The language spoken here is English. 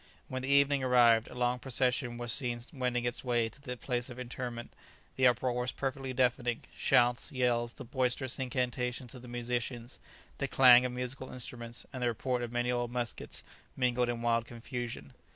When the evening arrived, a long procession was seen wending its way to the place of interment; the uproar was perfectly deafening; shouts, yells, the boisterous incantations of the musicians, the clang of musical instruments, and the reports of many old muskets, mingled in wild confusion.